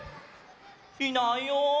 いないよ。